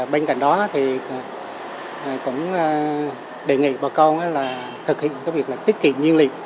bên cạnh đó thì cũng đề nghị bà con thực hiện cái việc tiết kiệm nhiên liệt